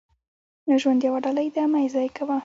• ژوند یوه ډالۍ ده، مه یې ضایع کوه.